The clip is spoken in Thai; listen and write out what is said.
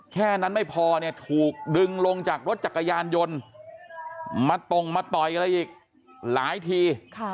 แค่นั้นไม่พอเนี่ยถูกดึงลงจากรถจักรยานยนต์มาตรงมาต่อยอะไรอีกหลายที